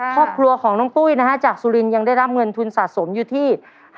ครอบครัวของน้องปุ้ยนะฮะจากสุรินทร์ยังได้รับเงินทุนสะสมอยู่ที่